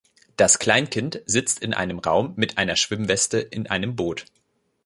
Das Kleinkind sitzt in einem Raum mit einer Schwimmweste in einem Boot.